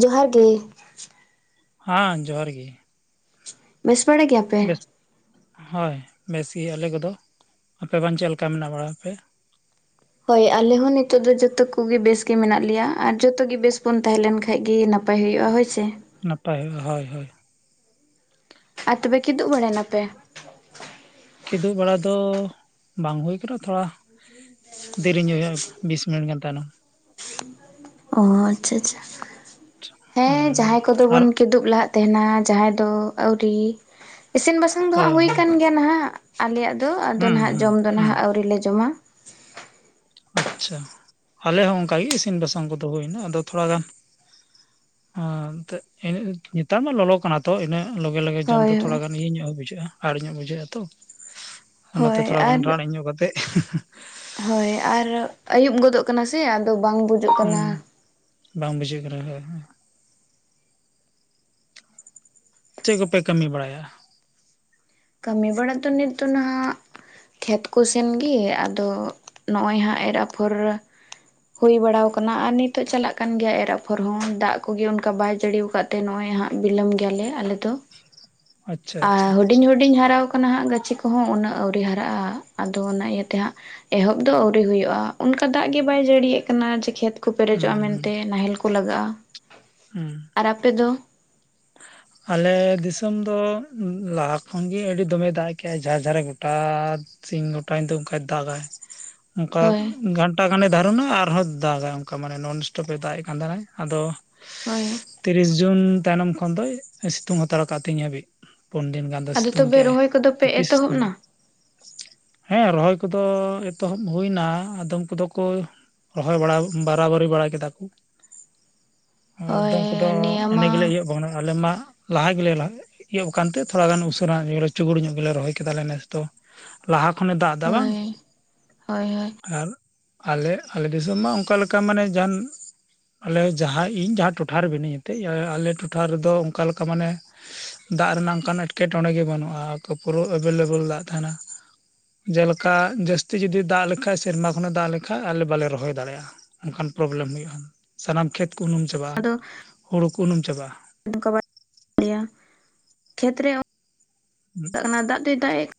ᱡᱚᱦᱟᱨ ᱜᱮ ᱦᱟᱸ ᱡᱚᱦᱟᱨ ᱜᱮ ᱵᱮᱥ ᱵᱟᱲᱟ ᱜᱮᱭᱟᱯᱮ ᱵᱮᱥ ᱦᱳᱭ ᱵᱮᱥ ᱜᱮᱭᱟ ᱞᱮ ᱜᱚᱰᱚ ᱟᱯᱮ ᱵᱟᱝ ᱪᱮᱫ ᱞᱮᱠᱟ ᱢᱮᱱᱟᱜ ᱵᱟᱲᱟᱯᱮ ᱦᱳᱭ ᱟᱞᱮ ᱦᱚᱸ ᱱᱤᱛᱚᱜ ᱫᱚ ᱡᱚᱛᱚ ᱠᱚ ᱜᱮ ᱵᱮᱥ ᱜᱮ ᱢᱮᱱᱟᱜ ᱞᱮᱭᱟ ᱟᱨ ᱡᱚᱛᱚ ᱜᱮ ᱵᱮᱥ ᱵᱚᱱ ᱛᱟᱦᱮᱸ ᱞᱮᱱ ᱠᱷᱟᱱ ᱜᱮ ᱱᱟᱯᱟᱭ ᱯᱟᱭ ᱦᱩᱭᱩᱜᱼᱟ ᱦᱚᱭ ᱥᱮ ᱱᱟᱯᱟᱭ ᱦᱩᱭᱩᱜᱼᱟ ᱦᱳᱭ ᱦᱳᱭ ᱟᱨ ᱛᱚᱵᱮ ᱠᱤᱫᱩᱵ ᱵᱟᱲᱟᱭᱱᱟᱯᱮ ᱠᱤᱫᱩᱵ ᱵᱟᱲᱟ ᱫᱚ ᱵᱟᱝ ᱦᱩᱭ ᱠᱟᱱᱟ ᱛᱷᱚᱲᱟ ᱫᱮᱨᱤ ᱧᱚᱜᱼᱟ ᱵᱤᱥ ᱢᱤᱱᱤᱴ ᱜᱟᱱ ᱛᱟᱭᱱᱚᱢ ᱚ ᱟᱪᱪᱷᱟ ᱟᱪᱪᱷᱟ ᱦᱮᱸ ᱦᱩᱸ ᱡᱟᱦᱟᱸᱭ ᱠᱚᱫᱚ ᱟᱨ ᱵᱚᱱ ᱠᱤᱫᱩᱵ ᱞᱟᱦᱟᱜ ᱛᱟᱦᱮᱱᱟ ᱡᱟᱦᱟᱸᱭ ᱫᱚ ᱟᱣᱨᱤ, ᱤᱥᱤᱱ ᱵᱟᱥᱟᱝ ᱫᱚ ᱦᱟᱸᱜ ᱦᱳᱭ ᱫᱚ ᱦᱩᱭ ᱦᱳᱭ ᱠᱟᱱ ᱜᱮᱭᱟ ᱴᱷᱤᱠ ᱜᱮᱭᱟ ᱱᱟᱦᱟᱜ ᱟᱞᱮᱭᱟᱜ ᱫᱚ ᱟᱫᱚ ᱦᱩᱸ ᱱᱟᱦᱟᱜ ᱦᱩᱸ ᱡᱚᱢ ᱫᱚ ᱦᱩᱸ ᱱᱟᱦᱟᱜ ᱟᱣᱨᱤᱞᱮ ᱡᱚᱢᱟ᱾ ᱟᱪᱪᱷᱟ ᱟᱞᱮ ᱦᱚᱸ ᱚᱱᱠᱟᱜᱮ ᱤᱥᱤᱱ ᱵᱟᱥᱟᱝ ᱠᱚᱫᱚ ᱦᱩᱭᱮ ᱮᱱᱟ, ᱟᱫᱚ ᱛᱷᱚᱲᱟ ᱜᱟᱱ ᱦᱮᱸ ᱮᱱᱛᱮ ᱱᱮᱛᱟᱨ ᱢᱟ ᱞᱚᱞᱚ ᱠᱟᱱᱟ ᱛᱚ᱾ ᱤᱱᱟᱹᱜ ᱞᱟᱜᱮ ᱞᱚᱜᱮ ᱡᱚᱢ ᱦᱳᱭ ᱫᱚ ᱛᱷᱚᱲᱟ ᱦᱳᱭ ᱜᱟᱱ ᱤᱭᱟᱹ ᱧᱚᱜ ᱦᱚᱸ ᱵᱩᱡᱷᱟᱹᱜᱼᱟ ᱟᱲ ᱧᱚᱜ ᱵᱩᱡᱷᱟᱹᱜᱼᱟ ᱛᱚ᱾ ᱚᱱᱟᱛᱮ ᱦᱳᱭ ᱛᱷᱚᱲᱟ ᱜᱟᱱ ᱟᱨ ᱨᱟᱱᱡᱚ ᱧᱚᱜ ᱠᱟᱛᱮ ᱦᱳᱭ ᱟᱨ ᱟᱹᱭᱩᱵ ᱜᱚᱫᱚᱜ ᱠᱟᱱᱟ ᱥᱮ ᱟᱫᱚ ᱵᱟᱝ ᱵᱩᱡ ᱦᱩᱸ ᱵᱟᱝ ᱵᱩᱡᱷᱟᱹᱜ ᱠᱟᱱᱟ ᱦᱳᱭ᱾ ᱪᱮᱫ ᱠᱚᱯᱮ ᱠᱟᱹᱢᱤ ᱵᱟᱲᱟᱭᱟ? ᱠᱟᱹᱢᱤ ᱵᱟᱲᱟ ᱛᱚ ᱱᱤᱛ ᱫᱚ ᱱᱟᱜ ᱠᱷᱮᱛ ᱠᱚ ᱥᱮᱱ ᱜᱮ᱾ ᱟᱫᱚ ᱱᱚᱜᱼᱚᱭ ᱦᱟᱸᱜ ᱮᱨ ᱟᱯᱷᱚᱨ ᱦᱩᱭ ᱵᱟᱲᱟ ᱟᱠᱟᱱᱟ ᱟᱨ ᱱᱤᱛᱚᱜ ᱪᱟᱞᱟᱜ ᱠᱟᱱ ᱜᱮᱭᱟ ᱮᱨ ᱟᱯᱷᱚᱨ ᱦᱚᱸ ᱫᱟᱜ ᱠᱚᱜᱮ ᱚᱱᱠᱟ ᱵᱟᱭ ᱡᱟᱹᱲᱤᱭᱟ ᱟᱠᱟᱫ ᱛᱮ ᱱᱚᱜ ᱚᱭ ᱦᱟᱸᱜ ᱵᱤᱞᱚᱢ ᱜᱮᱭᱟᱞᱮ ᱟᱞᱮ ᱫᱚ᱾ [inaudible] ᱟᱪᱪᱷᱟ ᱟ ᱟᱪᱪᱷᱟ ᱦᱩᱰᱤᱧ-ᱦᱩᱰᱤᱧ ᱟᱹᱰᱤᱧ ᱦᱟᱨᱟᱣ ᱟᱠᱟᱱᱟ ᱦᱟᱸᱜ ᱜᱟᱹᱪᱷᱤ ᱠᱚᱦᱚᱸ, ᱩᱱᱟᱹᱜ ᱟᱹᱣᱨᱤ ᱦᱟᱨᱟᱜᱼᱟ᱾ ᱟᱫᱚ ᱚᱱᱟ ᱤᱭᱟᱹᱛᱮ ᱦᱟᱸᱜ ᱮᱦᱚᱵ ᱫᱚ ᱟᱹᱣᱨᱤ ᱦᱩᱭᱩᱜᱼᱟ ᱚᱱᱠᱟ ᱫᱟᱜ ᱜᱮ ᱵᱟᱭ ᱡᱟᱹᱲᱤᱭᱮᱫ ᱠᱟᱱᱟ ᱡᱮ ᱠᱷᱮᱛ ᱠᱚ ᱦᱩᱸ ᱯᱮᱨᱮᱡᱚᱜᱼᱟ, ᱦᱩᱸ ᱢᱮᱱᱛᱮ ᱱᱟᱦᱮᱞ ᱠᱚ ᱞᱟᱜᱟᱜᱼᱟ ᱦᱩᱸ ᱟᱨ ᱟᱯᱮ ᱫᱚ ᱟᱞᱮ ᱫᱤᱥᱚᱢ ᱫᱚ ᱞᱟᱦᱟ ᱠᱷᱚᱱᱜᱤ ᱟᱹᱰᱤ ᱫᱚᱢᱮ ᱫᱟᱜ ᱠᱮᱜᱟᱭ᱾ ᱡᱟᱨ ᱡᱟᱨᱮ ᱜᱚᱴᱟ ᱥᱤᱧ ᱜᱚᱴᱟ ᱧᱤᱫᱟᱹ ᱚᱱᱠᱟᱭ ᱫᱟᱜᱟᱭ᱾ ᱚᱱᱠᱟ ᱦᱳᱭ ᱜᱷᱟᱱᱟ ᱚᱴᱟᱜ ᱜᱟᱱᱮ ᱫᱟᱨᱷᱟᱨᱩᱱᱟ ᱟᱨᱦᱚᱸ ᱫᱟᱜᱟᱭ ᱚᱱᱠᱟ ᱢᱟᱱᱮ ᱱᱚᱱ ᱥᱴᱚᱯᱮ ᱫᱟᱜ ᱮ ᱠᱟᱱ ᱛᱟᱦᱮᱱᱟᱭ ᱟᱫᱚ ᱦᱳᱭ ᱛᱤᱨᱤᱥ ᱡᱩᱱ ᱛᱟᱭᱱᱚᱢ ᱠᱷᱚᱱ ᱫᱚ ᱥᱤᱛᱩᱝ ᱦᱟᱛᱟᱲ ᱠᱫ ᱛᱤᱧ ᱦᱟᱹᱵᱤᱡ, ᱯᱩᱱ ᱫᱤᱱ ᱜᱟᱱ᱾ ᱫᱚ ᱟᱫᱚ ᱥᱤᱛᱩᱝ ᱛᱚᱵᱮ ᱠᱮᱜᱟᱭ ᱨᱚᱦᱚᱭ ᱠᱚᱫᱚ ᱯᱮ ᱠᱟᱹᱯᱤ ᱮᱛᱚᱦᱚᱵ ᱮᱱᱟ? ᱥᱤᱛᱩᱝᱟ ᱦᱮᱸ ᱨᱚᱦᱚᱭ ᱠᱚᱫᱚ ᱮᱛᱚᱦᱚᱵ ᱦᱩᱭᱱᱟ᱾ ᱟᱫᱚᱢ ᱠᱚᱫᱚ ᱠᱚ ᱨᱚᱦᱚᱭ ᱵᱟ ᱵᱟᱨᱟᱵᱟᱨᱤ ᱵᱟᱲᱟ ᱠᱮᱫᱟ ᱠᱚ᱾ ᱦᱳᱭ ᱟᱠᱫᱚᱢ ᱠᱚᱫᱚ ᱱᱤᱭᱟᱹ ᱮᱱ ᱢᱟ ᱜᱮᱞᱮ ᱤᱭ ᱟᱞᱮ ᱢᱟ ᱞᱟᱦᱟ ᱜᱮᱞᱮ ᱤᱭᱟᱹ ᱟᱠ ᱠᱟᱱᱛᱮ ᱛᱷᱚᱲᱟ ᱜᱟᱱ ᱩᱥᱟᱹᱨᱟ ᱪᱩᱜᱩᱲ ᱧᱚᱜ ᱜᱮᱞᱮ ᱨᱚᱦᱚᱭ ᱠᱮᱫᱟ ᱟᱞᱮ ᱱᱮᱥ ᱫᱚ ᱞᱟᱦᱟ ᱠᱷᱚᱱᱮ ᱫᱟᱜ ᱮᱫᱟ ᱵᱟᱝ? ᱦᱳᱭ ᱦᱳᱭ ᱦᱳᱭ ᱟᱨ ᱟᱞᱮ ᱟᱞᱮ ᱫᱤᱥᱚᱢ ᱢᱟ ᱚᱱᱠᱟ ᱞᱮᱠᱟ ᱢᱟᱱᱮ ᱡᱟᱦᱟᱱ ᱟᱞᱮ ᱡᱟᱦᱟᱸ ᱤᱧ ᱡᱟᱦᱟᱸ ᱴᱚᱴᱷᱟᱨᱮ ᱢᱤᱱᱟᱹᱧ ᱮᱱᱛᱜ ᱟᱞᱮ ᱴᱚᱴᱷᱟ ᱨᱮᱫᱚ ᱚᱱᱠᱟ ᱞᱮᱠᱟ ᱢᱟᱱᱮ ᱫᱟᱜ ᱨᱮᱱᱟᱜ ᱚᱱᱠᱟᱱ ᱮᱸᱴᱠᱮᱴᱚᱬᱮ ᱜᱮ ᱵᱟᱹᱱᱩᱜᱼᱟ᱾ ᱯᱩᱨᱟᱹ ᱮᱵᱮᱞᱮᱵᱮᱞ ᱫᱟᱜ ᱛᱟᱦᱮᱱᱟ᱾ ᱡᱮᱞᱮᱠᱟ ᱡᱟᱹᱥᱛᱤ ᱡᱩᱫᱤ ᱫᱟᱜ ᱞᱮᱠᱷᱟᱱ ᱥᱮᱨᱢᱟ ᱠᱷᱚᱱᱮ ᱫᱟᱜ ᱞᱮᱠᱷᱟᱱᱡ ᱟᱞᱮ ᱵᱟᱞᱮ ᱨᱚᱦᱚᱭ ᱫᱟᱲᱮᱭᱟᱜᱼᱟ᱾ ᱚᱱᱠᱟᱱ ᱯᱨᱚᱵᱞᱮᱢ ᱦᱩᱭᱩᱜᱼᱟ, ᱥᱟᱱᱟᱢ ᱠᱷᱮᱛ ᱠᱚ ᱩᱱᱩᱢ ᱪᱟᱵᱟᱜᱼᱟ ᱦᱩᱲᱩ ᱠᱚ ᱩᱱᱩᱢ ᱪᱟᱵᱟᱜᱼᱟ᱾ [unintelligible] ᱠᱷᱮᱛᱨᱮ [unintelligible] ᱠᱟᱱᱟ ᱫᱟᱜ ᱫᱚᱭ ᱫᱟᱜ ᱮᱫ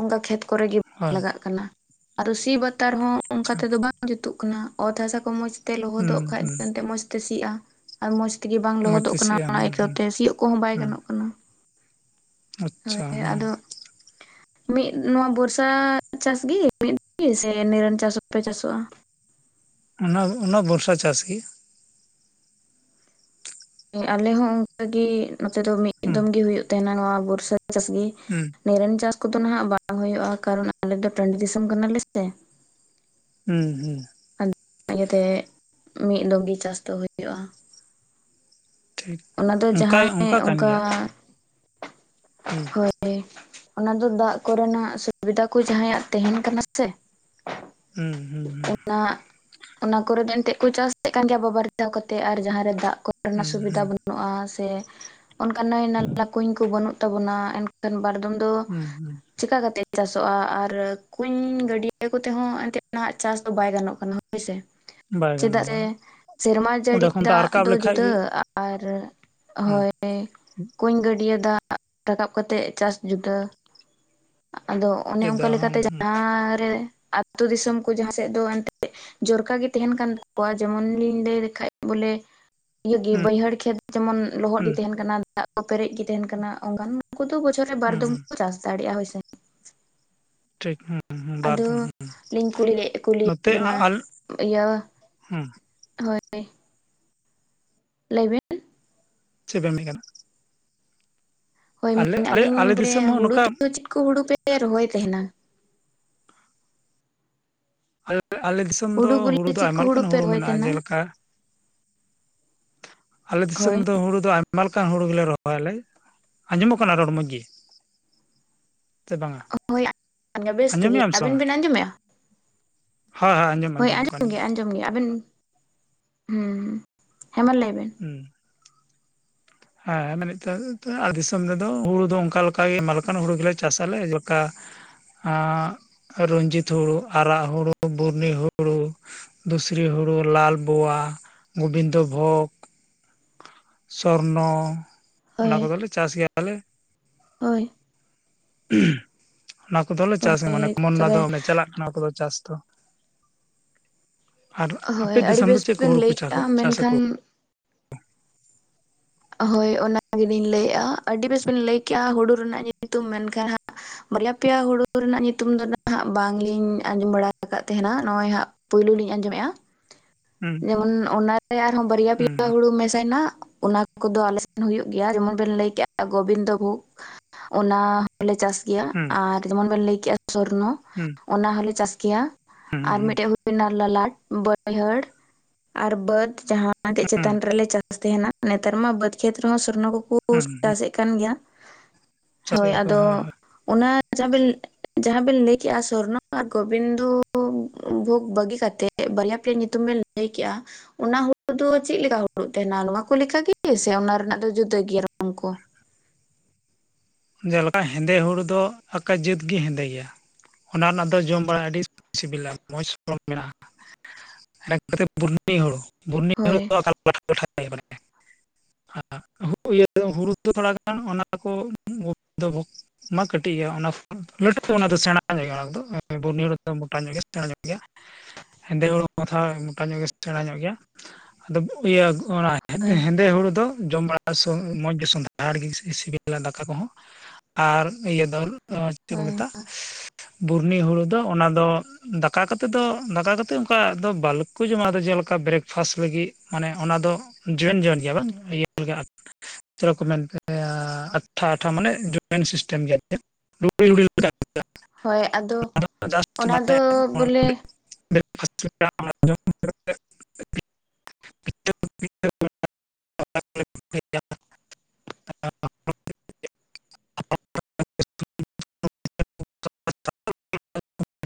ᱚᱱᱠᱟ ᱠᱷᱮᱛ ᱠᱚᱨᱮ ᱜᱮ ᱵᱟᱝ ᱦᱳᱭ ᱞᱟᱜᱟᱜ ᱠᱟᱱᱟ ᱟᱫᱚ ᱥᱤ ᱵᱟᱛᱟᱨ ᱦᱚᱸ ᱚᱱᱠᱟ ᱟᱪᱪᱷᱟ ᱛᱮᱫᱚ ᱵᱟᱝ ᱡᱩᱛᱩᱜ ᱠᱟᱱᱟ ᱚᱛ ᱦᱟᱥᱟ ᱠᱚ ᱢᱚᱸᱡᱽ ᱛᱮ ᱦᱩᱸ ᱞᱚᱦᱚᱫᱚᱜ ᱠᱷᱟᱱ ᱦᱩᱸ ᱮᱛᱮ ᱢᱚᱸᱡᱽᱛᱮ ᱥᱤᱜᱼᱟ᱾ ᱟᱨ ᱢᱚᱸᱡᱽ ᱛᱮᱜᱮ ᱵᱟᱝ ᱢᱚᱡᱽ ᱞᱚᱦᱚᱫᱚᱜ ᱛᱮ ᱠᱟᱱᱟ ᱥᱤᱜᱼᱟ ᱚᱱᱟ ᱦᱩᱸ ᱦᱩᱸ ᱟᱹᱭᱠᱟᱹᱣᱛᱮ ᱥᱤᱭᱳᱜ ᱠᱚᱦᱚᱸ ᱵᱟᱭ ᱦᱩᱸ ᱜᱟᱱᱚᱜ ᱠᱟᱱᱟ᱾ ᱟᱪᱪᱷᱟ ᱦᱳᱭ ᱦᱮᱸ ᱟᱫᱚ ᱢᱤᱫ ᱱᱚᱣᱟ ᱵᱚᱨᱥᱟ ᱪᱟᱥᱜᱤ ᱢᱤᱫ ᱫ ᱜᱮ ᱥᱮ ᱱᱤᱨᱚᱱ ᱪᱟᱥ ᱦᱚᱸᱯᱮ ᱪᱟᱥᱚᱜᱼᱟ? ᱚᱱᱟ ᱚᱱᱟ ᱵᱚᱨᱥᱟ ᱪᱟᱥ ᱜᱮ ᱟᱞᱮ ᱦᱚᱸ ᱚᱱᱠᱟᱜ ᱜᱮ ᱱᱚᱛᱮ ᱫᱚ ᱢᱤᱫ ᱦᱩᱸ ᱫᱚᱢ ᱜᱮ ᱦᱩᱭᱩᱜ ᱛᱟᱦᱮᱱᱟ, ᱱᱚᱣᱟ ᱵᱚᱨᱥᱟ ᱪᱟᱥ ᱜᱤ᱾ ᱦᱩᱸ ᱱᱤᱨᱮᱱ ᱪᱟᱥ ᱠᱚᱫᱚ ᱱᱦᱟᱜ ᱵᱟᱝ ᱦᱩᱭᱩᱜᱼᱟ, ᱠᱟᱨᱚᱱ ᱟᱞᱮ ᱫᱚ ᱴᱟᱺᱰᱤ ᱫᱤᱥᱚᱢ ᱠᱟᱱᱟ ᱞᱮᱥᱮ ᱦᱩᱸ ᱦᱩᱸ ᱟ ᱤᱭᱟᱹᱛᱮ ᱢᱤᱫ ᱫᱚᱢ ᱜᱮ ᱪᱟᱥ ᱫᱚ ᱦᱩᱭᱩᱜᱳᱼᱟ᱾ ᱴᱷᱤᱠ ᱚᱱᱟ ᱫᱚ ᱚᱱᱠᱟ ᱡᱟᱦᱟᱸᱭ ᱠᱟᱱ ᱚᱱᱠᱟ ᱜᱮᱭᱟ ᱦᱩᱸ ᱦᱳᱭ ᱚᱱᱟ ᱫᱚ ᱫᱟᱜ ᱠᱚᱨᱮᱱᱟᱜ ᱥᱩᱵᱤᱫᱟ ᱠᱚ ᱡᱟᱦᱟᱸᱭᱟᱜ ᱛᱟᱦᱮᱱ ᱠᱟᱱᱟ ᱥᱮ ᱦᱩᱸ ᱦᱩᱸ ᱚᱱᱟ ᱚᱱᱟ ᱠᱚᱨᱮ ᱫᱚ ᱮᱱᱛᱮᱜ ᱠᱚ ᱪᱟᱥᱮᱫ ᱠᱟᱱ ᱜᱮᱭᱟ ᱵᱟᱵᱟᱨᱷᱟ ᱠᱟᱛᱮ ᱟᱨ ᱡᱟᱦᱟᱸᱨᱮ ᱫᱟᱜ ᱠᱚ ᱨᱮᱱᱟᱜ ᱦᱩᱸ ᱦᱩᱸ ᱥᱩᱵᱤᱫᱷᱟ ᱦᱩᱸ ᱵᱟᱹᱱᱩᱜᱼᱟ ᱥᱮ ᱚᱱᱠᱟ ᱱᱟᱹᱭ ᱱᱟᱞᱟ ᱠᱩᱧ ᱠᱚ ᱵᱟᱹᱱᱩᱜ ᱛᱟᱵᱚᱱᱟ ᱠᱷᱟᱱ ᱵᱟᱨᱫᱚᱢ ᱫᱚ ᱦᱩᱸ ᱦᱩᱸ ᱪᱮᱠᱟ ᱠᱟᱛᱮᱫ ᱪᱟᱥᱚᱜᱼᱟ ᱟᱨ ᱠᱩᱧ ᱜᱟᱹᱰᱭᱟᱹ ᱠᱚᱛᱮ ᱦᱚᱸᱚᱸ ᱮᱱᱛᱮᱫ ᱱᱟᱦ ᱪᱟᱥ ᱫᱚ ᱵᱟᱭ ᱜᱟᱱᱚᱜ ᱠᱟᱱᱟ ᱦᱳᱭᱥᱮ ᱵᱟᱭ ᱪᱮᱫᱟᱜ ᱜᱟᱱᱚᱜᱼᱟ ᱥᱮ ᱵᱟᱝ ᱥᱮᱨᱢᱟ ᱡᱟᱹᱲᱤ ᱚᱸᱰᱮ ᱠᱷᱚᱱ ᱫᱟᱜ ᱨᱟᱠᱟᱵ ᱫᱚ ᱞᱮᱠᱷᱟᱡ ᱡᱩᱫᱟᱹ ᱜᱮ ᱟᱨ ᱦᱩᱸ ᱦᱳᱭ ᱠᱩᱧ ᱜᱟᱹᱰᱤᱭᱟ ᱫᱟᱜ ᱨᱟᱠᱟᱵ ᱠᱟᱛᱮᱫ ᱪᱟᱥ ᱡᱩᱫᱟᱹ ᱟᱫᱚ ᱚᱱᱮ ᱚᱱᱠᱟ ᱡᱮᱫᱟ ᱦᱚᱸ ᱞᱮᱠᱟᱛᱮ ᱦᱩᱸ ᱡᱟᱦᱟᱸᱨᱮ ᱟᱹᱛᱩ ᱫᱤᱥᱚᱢ ᱠᱚ ᱡᱟᱦᱟᱸ ᱥᱮᱫ ᱫᱚ ᱮᱱᱛᱮ ᱡᱚᱨᱠᱟ ᱜᱮ ᱛᱟᱦᱮᱱ ᱠᱟᱱ ᱛᱟᱠᱚᱣᱟ ᱡᱮᱢᱚᱱ ᱞᱤᱧ ᱞᱟᱹᱭ ᱞᱮᱠᱷᱟᱡ ᱵᱚᱞᱮ ᱤᱭ ᱜᱮ ᱦᱩᱸ ᱵᱟᱹᱭᱦᱟᱹᱲ ᱠᱷᱮᱛ ᱡᱮᱢᱚᱱ ᱞᱚᱦᱚᱫ ᱜᱮ ᱦᱩᱸ ᱛᱟᱦᱮᱱ ᱠᱟᱱᱟ ᱫᱟᱜ ᱠᱚ ᱯᱮᱨᱮᱡ ᱜᱮ ᱛᱟᱦᱮᱱ ᱠᱟᱱᱟ ᱚᱱᱠᱟᱱ ᱩᱱᱠᱩ ᱫᱚ ᱵᱚᱪᱷᱚᱨ ᱨᱮ ᱵᱟᱨ ᱦᱩᱸ ᱫᱚᱢ ᱦᱩᱸ ᱠᱚ ᱪᱟᱥ ᱫᱟᱲᱮᱭᱟᱜᱼᱟ ᱦᱳᱭᱥᱮ ᱴᱷᱤᱠ ᱦ ᱟᱫᱚ ᱵᱟᱨᱫᱚᱢ ᱦ ᱞᱤᱧ ᱠᱩᱞᱤ ᱱᱚᱛᱮ ᱠᱩᱞᱤᱭᱮᱫ ᱵᱮᱱᱟ ᱟᱞ ᱤᱭᱟᱹ ᱦᱮᱸ ᱦᱳᱭ ᱞᱟᱭ ᱵᱤᱱ ᱪᱮᱫ ᱯᱮ ᱢᱮᱡ ᱠᱟᱱᱟ ᱦᱳᱭ ᱟᱞᱮ ᱢᱮᱱᱳ ᱟᱞᱮ ᱟᱞᱤᱧ ᱟᱞᱮ ᱵᱚᱞᱮ ᱫᱤᱥᱚᱢ ᱦᱚᱸ ᱦᱩᱲᱩ ᱱᱚᱝᱠᱟ ᱫᱚ ᱪᱮᱫ ᱠᱚ ᱦᱩᱲᱩ ᱯᱮ ᱨᱚᱦᱚᱭ ᱛᱟᱦᱮᱱᱟ ᱟᱞ ᱟᱞᱮ ᱫᱤᱥᱚᱢ ᱫᱚ ᱵᱚᱞᱮ ᱦᱩᱲᱩ ᱫᱚ ᱪᱮᱫ ᱠᱚ ᱟᱭᱢᱟ ᱞᱮᱠᱟᱱ ᱯᱮ ᱦᱩᱲᱩ ᱨᱚᱦᱚᱭ ᱢᱮᱱᱟᱜᱼᱟ ᱛᱟᱦᱮᱱᱟ? ᱡᱮᱞᱮᱠᱟ ᱟᱞᱮ ᱫᱤᱥᱚᱢ ᱦᱳᱭ ᱫᱚ ᱦᱩᱲᱩ ᱫᱚ ᱟᱭᱢᱟ ᱞᱮᱠᱟᱱ ᱦᱩᱲᱩ ᱜᱮᱞᱮ ᱨᱚᱦᱚᱭᱟᱞᱮ ᱟᱸᱡᱚᱢᱚᱜ ᱠᱟᱱᱟ ᱨᱚᱲ ᱢᱚᱡᱽ ᱜᱮ ᱥᱮ ᱵᱟᱝᱟ ᱦᱳᱭ ᱵᱮᱥ ᱛᱮᱜᱮ ᱟᱸᱡᱚᱢᱮᱜ-ᱟᱢ ᱟᱹᱵᱤᱱ ᱵᱤᱱ ᱟᱸᱡᱚᱢᱭᱟ? ᱦᱳᱭᱳᱭᱸᱚᱢᱸᱡᱚᱢᱚᱜ ᱠᱟᱱ ᱟᱸᱡᱚᱢ ᱜᱮᱭᱟ ᱟᱸᱡᱚᱢ ᱜᱮ ᱟᱵᱮᱱ ᱦᱩᱸ ᱦᱮᱸ ᱢᱟ ᱞᱟᱹᱭᱵᱮᱱ ᱦᱩᱸ ᱦᱮᱸ ᱢᱤᱢᱤᱛᱴᱟ, ᱜ ᱫᱤᱥᱚᱢ ᱨᱮᱫᱚ ᱦᱩᱲᱩ ᱫᱚ ᱚᱱᱠᱟᱠ ᱟᱭᱢᱟᱞᱠᱟᱱ ᱦᱩᱲᱩ ᱜᱮᱞᱮ ᱪᱟᱥᱟ ᱛᱟᱦᱚᱞᱮ ᱡᱠᱟ [unintelligible] ᱨᱚᱧᱡᱤᱛ ᱦᱩᱲᱩ ᱟᱨᱟᱜ ᱦᱩᱲᱩ ᱵᱩᱨᱱᱤ ᱦᱩᱲᱩ ᱫᱩᱥᱨᱤ ᱦᱩᱲᱩ ᱞᱟᱞᱵᱚᱣᱟ ᱜᱳᱵᱤᱱᱫᱚ ᱵᱷᱳᱜᱽ ᱥᱚᱨᱱᱚ ᱚᱱᱟ ᱦᱳᱭ ᱠᱚᱫᱚᱞᱮ ᱪᱟᱥ ᱜᱮᱭᱟᱞᱮ ᱦᱳᱭ ᱚᱱᱟ ᱠᱚᱫᱚᱞᱮ ᱪᱟᱥ ᱜᱮᱭᱟ ᱦᱳᱭ ᱢᱟᱱᱮ ᱠᱚᱢᱚᱱᱟ ᱛᱚᱵᱮ ᱫᱚ ᱪᱟᱞᱟᱜ ᱠᱟᱱᱟ ᱠᱚᱫᱚ ᱪᱟᱥ ᱫᱚ ᱟᱨ ᱟᱯᱮ ᱦᱳᱭ ᱟᱹᱰᱤ ᱫᱤᱥᱚᱢ ᱫᱚ ᱵᱮᱥ ᱪᱮᱫ ᱠᱚ ᱵᱮᱱ ᱦᱩᱲᱩ ᱠᱚ ᱞᱟᱹᱭ ᱠᱮᱫᱮᱜᱼᱟ ᱪᱟᱥ ᱟᱠᱚ ᱢᱮᱱᱠᱷᱟᱱ ᱦᱳᱭ ᱚᱱᱟ ᱜᱮᱞᱤᱧ ᱞᱟᱹᱭᱮᱫᱼᱟ ᱟᱹᱰᱤ ᱵᱮᱥ ᱵᱤᱱ ᱞᱟᱹᱭ ᱠᱮᱜᱼᱟ ᱦᱩᱲᱩ ᱨᱮᱱᱟᱜ ᱧᱩᱛᱩᱢ ᱢᱮᱱᱠᱷᱟᱱ ᱦᱟᱸᱜ ᱵᱟᱨᱭᱟ ᱯᱮᱭᱟ ᱦᱩᱲᱩ ᱨᱮᱱᱟᱜ ᱧᱩᱛᱩᱢ ᱫᱚ ᱱᱟᱦᱟᱸᱜ ᱵᱟᱝᱞᱤᱧ ᱟᱸᱡᱚᱢ ᱵᱟᱲᱟ ᱟᱠᱟᱫ ᱛᱟᱦᱮᱱᱟ ᱱᱚᱜᱼᱚᱭ ᱦᱟᱸᱜ ᱯᱳᱭᱞᱳ ᱞᱤᱧ ᱟᱸᱡᱚᱢᱮᱫᱼᱟ ᱦᱩᱸ ᱡᱮᱢᱚᱱ ᱚᱱᱟᱨᱮ ᱟᱨᱦᱚᱸ ᱵᱟᱨᱭᱟ ᱯᱮᱭᱟ ᱦᱩᱸ ᱦᱩᱲᱩ ᱢᱮᱥᱟᱭᱱᱟ ᱚᱱᱟ ᱚᱱᱟ ᱠᱚᱫᱚ ᱟᱞᱮᱥᱱ ᱦᱚ ᱦᱩᱭᱩᱜ ᱜᱮᱭᱟ, ᱡᱮᱢᱚᱱ ᱵᱮᱱ ᱞᱟᱹᱭᱠᱮᱜᱼᱟ ᱜᱳᱵᱤᱱᱫᱚ ᱵᱷᱳᱜᱽ ᱚᱱᱟ ᱦᱚᱞᱮ ᱪᱟᱥ ᱤᱭᱟᱹ ᱦᱩᱸ ᱟᱨ ᱡᱮᱢᱚᱱ ᱵᱤᱱ ᱞᱟᱹᱭ ᱠᱮᱜ-ᱟ ᱥᱚᱨᱱᱚ᱾ ᱦᱩᱸ ᱚᱱᱟ ᱦᱚᱞᱮ ᱪᱟᱥ ᱜᱮᱭᱟ ᱦᱩᱸ ᱟᱨ ᱦᱩᱸ ᱢᱤᱫᱴᱮᱱ ᱦᱳᱱᱟ ᱞᱚᱞᱟᱴ ᱵᱟᱹᱭᱦᱟᱹᱲ ᱟᱨ ᱵᱟᱹᱫ ᱡᱟᱦᱟᱸ ᱦᱩᱸ ᱪᱮᱛᱟᱱ ᱨᱮᱞᱮ ᱪᱟᱥ ᱛᱟᱦᱮᱱᱟ ᱱᱮᱛᱟᱨ ᱢᱟ ᱵᱟᱹᱫᱽ ᱠᱷᱮᱛ ᱨᱮᱦᱚᱸ ᱥᱚᱨᱱᱚ ᱠᱚᱠᱚ ᱦᱩᱸ [unintelligible] ᱦᱩᱸ ᱪᱟᱥᱮᱫ ᱠᱟᱱ ᱜᱮᱭᱟ ᱦᱳᱭ ᱪᱟᱥᱮᱜᱼᱟ ᱠᱚ ᱟᱫᱚ ᱦᱳᱭ ᱚᱱᱟ ᱡᱟᱦᱟᱵᱮᱱ ᱡᱟᱦᱟᱸ ᱵᱮᱤᱱ ᱞᱟᱹᱭ ᱠᱮᱜᱼᱟ ᱥᱚᱨᱱᱚ ᱟᱨ ᱜᱚᱵᱤᱱᱫᱩ ᱵᱷᱳᱜ ᱵᱟᱹᱜᱤ ᱠᱟᱛᱮᱜ ᱵᱟᱨᱭᱟ ᱯᱮᱭᱟ ᱧᱩᱛᱩᱢ ᱵᱮᱱ ᱞᱟᱹᱭ ᱞᱟᱹᱭ ᱠᱮᱫᱮᱜᱼᱟ ᱚᱱᱟ ᱦᱩᱲᱩ ᱫᱚ ᱪᱮᱫ ᱞᱮᱠᱟ ᱦᱩᱲᱩ ᱛᱟᱦᱮᱱᱟ ᱱᱚᱶᱟ ᱠᱚᱠᱟᱜᱮ ᱥᱮ ᱚᱱᱟ ᱨᱮᱱᱟᱜ ᱫᱚ ᱡᱩᱫᱟᱹᱭᱟ ᱨᱚᱝ ᱠᱚ ᱡᱮᱞᱮᱠᱟ ᱦᱮᱸᱫᱮ ᱦᱩᱲᱩ ᱫᱚ ᱟᱠᱟᱹ ᱡᱟᱹᱛᱜ ᱜᱮ ᱦᱮᱸᱫᱮ ᱜᱮᱭᱟ ᱚᱱᱟ ᱨᱮᱱᱟᱜ ᱫᱚ ᱡᱚᱢ ᱵᱟᱲᱟ ᱟᱹᱰᱤ ᱥᱤᱵᱤᱞᱟ ᱢᱚᱸᱡᱽ ᱢᱮᱱᱟᱜᱼᱟ [unintelligible] ᱵᱩᱨᱱᱤ ᱦᱩᱲᱩ ᱵᱩᱨᱱᱤ ᱦᱩᱲᱩ ᱦᱳᱭ ᱫᱚ ᱚᱠᱟ ᱞᱮᱠᱟ? [unintelligible] ᱴᱷᱟᱴᱷᱟ ᱦᱩᱲᱩ ᱫᱚ ᱛᱷᱚᱲᱟ ᱜᱟᱱ ᱚᱱᱟ ᱠᱚ ᱫᱚ [unintelligible] [inaudible] ᱢᱟ ᱠᱟᱹᱴᱤᱡ ᱜᱮᱭᱟ ᱚᱱᱟ ᱠᱚ ᱞᱟᱹᱴᱩ ᱚᱱᱟ ᱫᱚ ᱥᱮᱬᱟ ᱧᱚᱜ ᱜᱮᱭᱟ ᱚᱱᱟ ᱠᱚᱫᱚ ᱵᱩᱨᱱᱭ ᱫᱚ ᱢᱳᱚᱴᱟ ᱧᱚᱜ ᱜᱮᱭᱟ ᱥᱮᱟ ᱧᱚᱜ ᱜᱮᱭᱟ [unintelligible] ᱦᱮᱸᱫᱮ ᱦᱩᱲᱩ ᱢᱟᱛᱷᱟ ᱢᱚᱴᱟ ᱧᱚᱜ ᱜᱮ ᱥᱮᱬᱟ ᱧᱚᱜ ᱜᱮᱭᱟ ᱟᱫᱚ ᱤᱭᱟᱹ ᱚᱱᱟ ᱦᱳᱭ ᱦᱮᱸᱫᱮ ᱦᱩᱲᱩ ᱫᱚ ᱡᱚᱢ ᱵᱟᱲᱟ ᱢᱚᱸᱡᱽ ᱜᱮ ᱥᱚᱸᱫᱷᱟᱲ ᱜᱮ ᱥᱤᱵᱤᱞᱟ ᱫᱟᱠᱟ᱾ ᱟᱠᱟ ᱠᱚᱦᱚᱸ ᱟᱨ ᱤᱭᱟᱹ ᱫᱟᱹᱞ ᱪᱮᱫ ᱠᱚ ᱦᱳᱭ ᱢᱮᱛᱟᱜᱼᱟ, ᱵᱩᱨᱱᱤ ᱦᱩᱲᱩ ᱫᱚ ᱚᱱᱟ ᱫᱚ ᱫᱟᱠᱟ ᱠᱟᱛᱮᱫ ᱫᱚ, ᱫᱟᱠᱟ ᱠᱟᱛᱮᱫ ᱚᱱᱠᱟ ᱫᱚ ᱵᱟᱞᱠᱚ ᱡᱚᱢᱟ᱾ ᱟᱫᱚ ᱡᱮᱞᱮᱠᱟ ᱵᱨᱮᱠᱯᱷᱟᱥᱴ ᱞᱟᱹᱜᱤᱫ ᱢᱟᱱᱮ ᱚᱱᱟ ᱫᱚ, ᱡᱚᱣᱟᱹᱱ ᱡᱚᱣᱟᱹᱱ ᱜᱮᱭᱟ ᱵᱟᱝ, ᱤᱭᱟᱹ ᱪᱮᱫᱞᱮᱠᱟ ᱛᱷᱚᱲᱟ ᱠᱚ ᱢᱮᱱ ᱜᱮᱭᱟ ᱴᱷᱟ ᱴᱷᱟ ᱢᱟᱱᱮ ᱡᱚᱭᱮᱱᱴ ᱥᱤᱥᱴᱮᱢ ᱜᱮᱭᱟ᱾ ᱦᱳᱭ ᱟᱫᱚ ᱚᱱᱟ ᱫᱚ ᱵᱚᱞᱮ [unintelligible] ᱵᱮᱨᱮᱠᱯᱷᱟᱥ ᱪᱮᱫᱠᱟ [unintelligible] [unintelligible] [unintelligible]